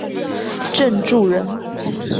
郑注人。